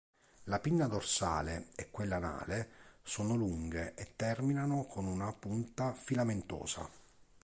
La pinna dorsale e quella anale sono lunghe e terminano con una punta filamentosa.